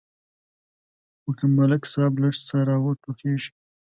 خو که ملک صاحب لږ څه را وټوخېږي.